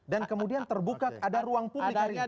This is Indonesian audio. dan kemudian terbuka ada ruang publik